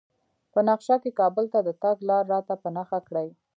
په نقشه کې کابل ته د تګ لار راته په نښه کړئ